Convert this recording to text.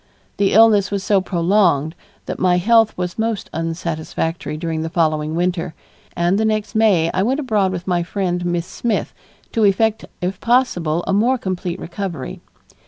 The illness was so prolonged that my health was most unsatisfactory during the following winter, and the next May I went abroad with my friend, Miss Smith, to effect if possible a more complete recovery.